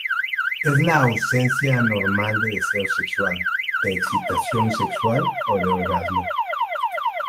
Es la ausencia anormal de deseo sexual, de excitación sexual o de orgasmo.